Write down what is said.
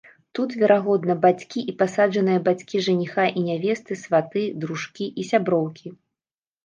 Тут, верагодна, бацькі і пасаджаныя бацькі жаніха і нявесты, сваты, дружкі і сяброўкі.